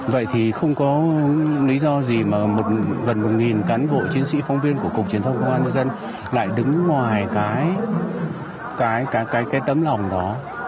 vậy thì không có lý do gì mà gần một cán bộ chiến sĩ phóng viên của cục truyền thông công an nhân dân lại đứng ngoài cái tấm lòng đó